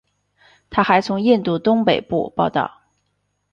他还从印度东北部报道。